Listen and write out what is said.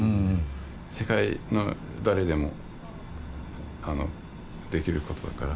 世界の誰でもできることだから。